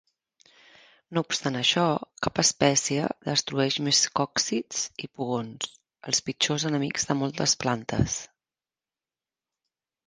No obstant això, cap espècie destrueix més còccids i pugons, els pitjors enemics de moltes plantes.